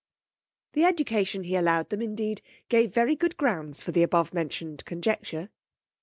The education he allowed them indeed gave very good grounds for the above mentioned conjecture.